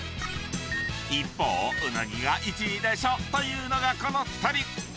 ［一方うなぎが１位でしょというのがこの２人］